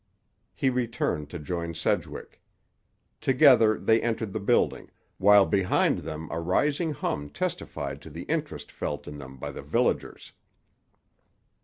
He returned to join Sedgwick. Together they entered the building, while behind them a rising hum testified to the interest felt in them by the villagers.